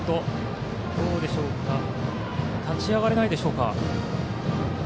立ち上がれないでしょうか。